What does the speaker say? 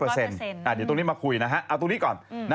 เดี๋ยวตรงนี้มาคุยนะฮะเอาตรงนี้ก่อน